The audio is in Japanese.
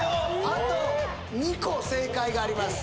あと２個正解があります